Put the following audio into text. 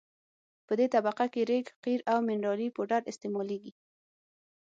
په دې طبقه کې ریګ قیر او منرالي پوډر استعمالیږي